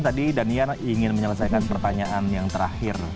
tadi danian ingin menyelesaikan pertanyaan yang terakhir